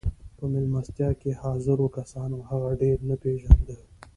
په مېلمستيا کې حاضرو کسانو هغه ډېر نه پېژانده.